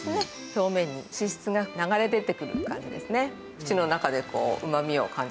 表面に脂質が流れ出てくる感じですね。